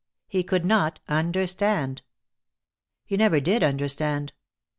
He could not understand. He never did understand.